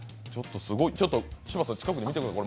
柴田さん、近くで見てくださいよ。